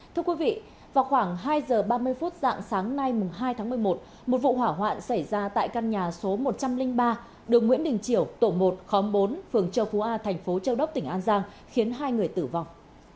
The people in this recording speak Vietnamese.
thưa quý vị vào khoảng hai giờ ba mươi phút dạng sáng nay hai tháng một mươi một một vụ hỏa hoạn xảy ra tại căn nhà số một trăm linh ba đường nguyễn đình chiểu tổ một khóm bốn phường châu phú a thành phố châu đốc tỉnh an giang khiến hai người tử vong